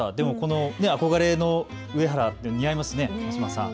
憧れの上原って似合いますね、松嶋さん。